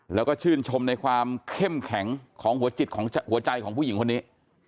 แล้วก็ชื่นชมในความเข้มแข็งของหัวใจของผู้หญิงคนนี้